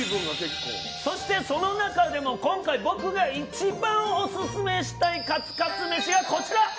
そして、その中でも今回僕が一番オススメしたいカツカツ飯がこちら。